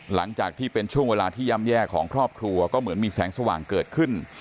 หลังจากที่เป็นช่วงเวลาที่ย่ำแย่ของครอบครัวก็เหมือนมีแสงสว่างเกิดขึ้น